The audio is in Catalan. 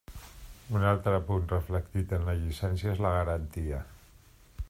Un altre punt reflectit en la llicència és la garantia.